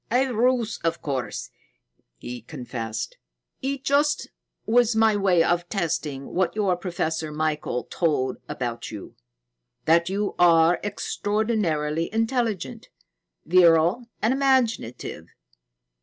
"A ruse, of course," he confessed. "It just was my way of testing what your Professor Michael told about you that you are extraordinarily intelligent, virile, and imaginative.